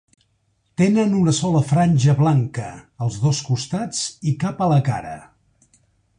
Tenen una sola franja blanca als dos costats i cap a la cara.